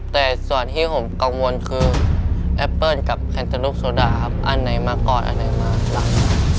แต่ส่วนที่ผมกังวลคือแอปเปิ้ลกับแคนเตอร์ลูกโซดาครับอันไหนมาก่อนอันไหนมารับ